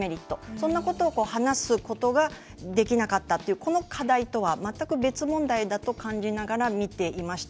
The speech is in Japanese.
そんなことを話すことができなかったというこの課題とは、全く別問題だと感じながら見ていました。